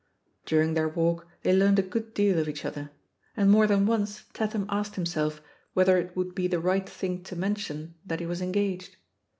During their walk they learnt a good deal of each other; and more than once Tatham asked himself whether it would be the right thing to mention that he was engaged.